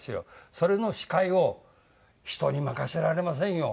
それの司会を人に任せられませんよ。